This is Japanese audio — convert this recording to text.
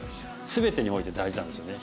全てにおいて大事なんですよね